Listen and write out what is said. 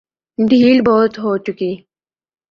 ڈھیل بہت ہو چکی۔